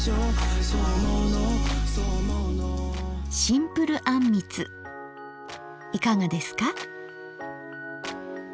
シンプルあんみついかがですか？